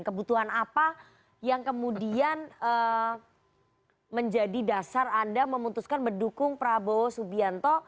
kebutuhan apa yang kemudian menjadi dasar anda memutuskan mendukung prabowo subianto